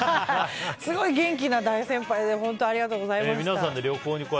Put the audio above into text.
すごい元気な大先輩でありがとうございました。